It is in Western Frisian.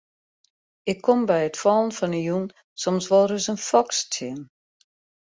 Ik kom by it fallen fan 'e jûn soms wol ris in foks tsjin.